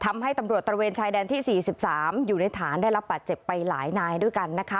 ทำให้ตำรวจตระเวนชายแดนที่๔๓อยู่ในฐานได้รับบาดเจ็บไปหลายนายด้วยกันนะคะ